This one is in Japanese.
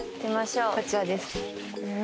こちらです。